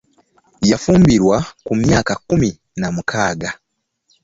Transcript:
Yafumbirwa ku myaka kumi na mukaaga.